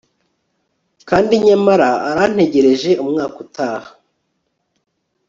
kandi nyamara arantegereje, umwaka utaha